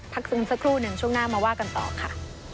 ซึมสักครู่หนึ่งช่วงหน้ามาว่ากันต่อค่ะ